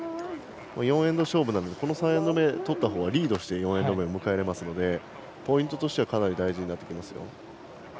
４エンド勝負なのでこの３エンド目を取ったほうがリードして４エンド目を迎えられるのでポイントとしてはかなり大事になってきます。